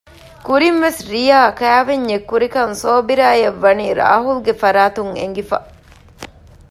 ކުރިން ވެސް ރިޔާ ކައިވެންޏެއް ކުރިކަން ޞާބިރާއަށް ވަނީ ރާހުލްގެ ފަރާތުން އެނގިފަ